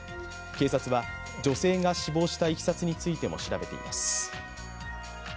警察は女性が死亡したいきさつについても調べています。